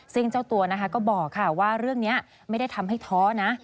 ซึ่งเจ้าตัวนะคะก็บอกค่ะว่าเรื่องนี้ไม่ได้ทำให้ท้อนะ